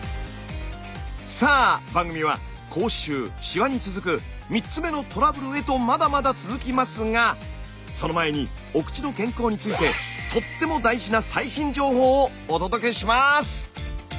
さあ番組は「口臭」「シワ」に続く３つ目のトラブルへとまだまだ続きますがその前にお口の健康についてをお届けします！